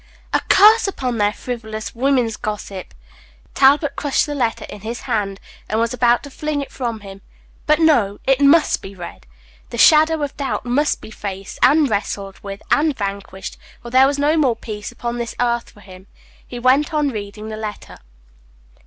A curse upon their frivolous women's gossip! Talbot crushed the letter in his hand, and was about to fling it from him; but, no, it must be read. The shadow of doubt must be faced, and wrestled with, and vanquished, or there was no more peace upon this earth for him. He went on reading the letter.